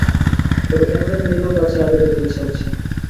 তবে কেন জানি নীলুর কাছে আগে যেতে ইচ্ছা হচ্ছে।